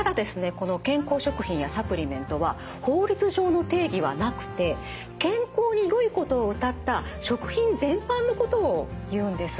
この健康食品やサプリメントは法律上の定義はなくて健康によいことをうたった食品全般のことをいうんです。